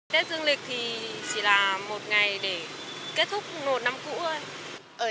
tết dương lịch thì chỉ là một ngày để kết thúc một năm cũ thôi